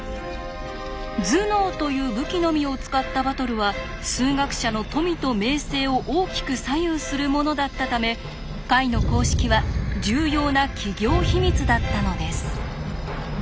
頭脳という武器のみを使ったバトルは数学者の富と名声を大きく左右するものだったため解の公式は重要な企業秘密だったのです。